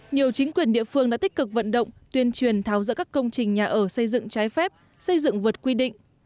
nhiều chính quyền địa phương đã tích cực vận động tuyên truyền tháo rỡ các công trình nhà ở xây dựng trái phép xây dựng vượt quy định